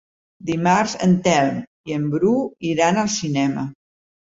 Dimarts en Telm i en Bru iran al cinema.